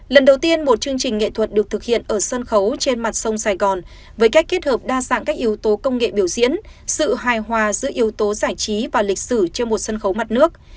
lần đầu tiên một chương trình nghệ thuật được thực hiện ở sân khấu trên mặt sông sài gòn với cách kết hợp đa dạng các yếu tố công nghệ biểu diễn sự hài hòa giữa yếu tố giải trí và lịch sử trên một sân khấu mặt nước